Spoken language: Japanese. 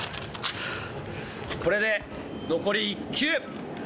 これで残り１球。